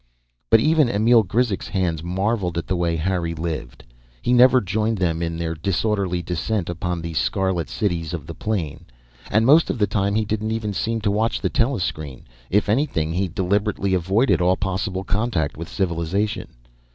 But even Emil Grizek's hands marvelled at the way Harry lived. He never joined them in their disorderly descent upon the scarlet cities of the plain, and most of the time he didn't even seem to watch the telescreen. If anything, he deliberately avoided all possible contact with civilization.